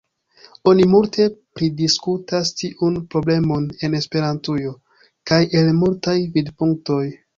Oni multe pridiskutas tiun problemon en Esperantujo, kaj el multaj vidpunktoj.